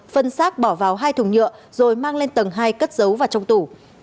phân xác bỏ vào hai thùng nhựa rồi mang lên tầng hai cất giấu và trong tủ